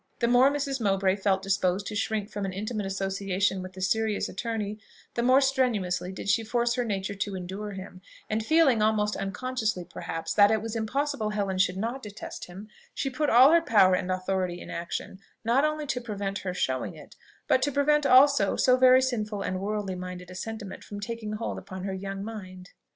The more Mrs. Mowbray felt disposed to shrink from an intimate association with the serious attorney, the more strenuously did she force her nature to endure him; and feeling, almost unconsciously perhaps, that it was impossible Helen should not detest him, she put all her power and authority in action, not only to prevent her showing it, but to prevent also so very sinful and worldly minded a sentiment from taking hold upon her young mind.